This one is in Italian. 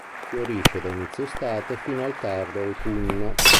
Fiorisce da inizio estate fino al tardo autunno.